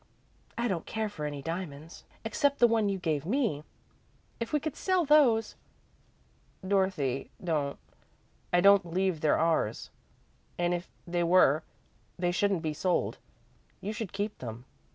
I don't care for any diamonds, except the one you gave me. If we could sell those " "Dorothy, don't. I don't believe they're ours, and if they were, they shouldn't be sold. You should keep them."